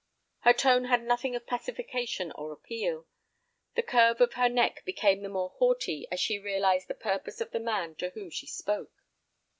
Her tone had nothing of pacification or appeal. The curve of her neck became the more haughty as she realized the purpose of the man to whom she spoke.